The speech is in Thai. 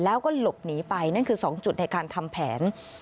แล้วก็หลบหนีไปนั่นคือ๒จุดในการทำแผน